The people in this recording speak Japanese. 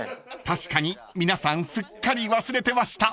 ［確かに皆さんすっかり忘れてました］